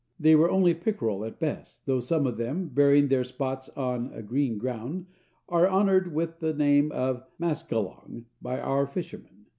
They were only pickerel at best, though some of them, bearing their spots on a green ground, are honored with the name of "maskalonge" by our fishermen.